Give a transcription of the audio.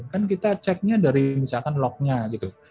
kan kita ceknya dari misalkan log nya gitu